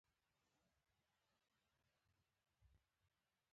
امید خاندي.